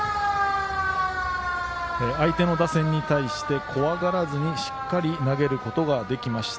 相手の打線に対して怖がらずにしっかり投げることができました。